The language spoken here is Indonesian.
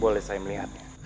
boleh saya melihatnya